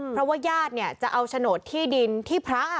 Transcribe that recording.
เพราะว่าญาติเนี่ยจะเอาโฉนดที่ดินที่พระ